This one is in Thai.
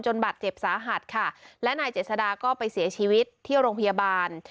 บาดเจ็บสาหัสค่ะและนายเจษดาก็ไปเสียชีวิตที่โรงพยาบาล